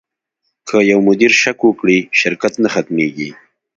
که یو مدیر شک وکړي، شرکت نه ختمېږي.